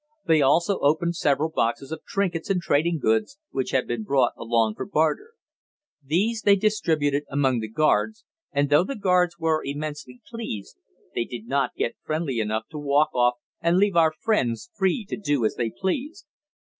They also opened several boxes of trinkets and trading goods, which had been brought along for barter. These they distributed among the guards, and, though the giants were immensely pleased, they did not get friendly enough to walk off and leave our friends free to do as they pleased.